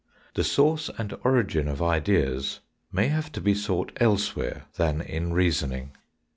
The source and origin of ideas may have to be sought elsewhere than in reasoning.